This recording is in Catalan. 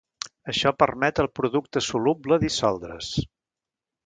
Això permet al producte soluble dissoldre's.